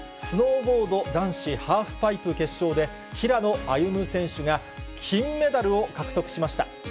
スノーボード男子ハーフパイプ決勝で、平野歩夢選手が、金メダルを獲得しました。